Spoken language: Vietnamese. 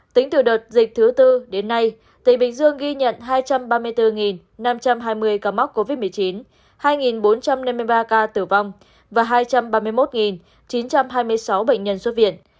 tính từ đợt dịch thứ tư đến nay tỉnh bình dương ghi nhận hai trăm ba mươi bốn năm trăm hai mươi ca mắc covid một mươi chín hai bốn trăm năm mươi ba ca tử vong và hai trăm ba mươi một chín trăm hai mươi sáu bệnh nhân xuất viện